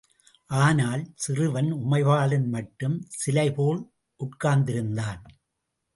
ஆனால் சிறுவன் உமைபாலன் மட்டும் சிலை போல் உட்கார்ந்திருந்தான்.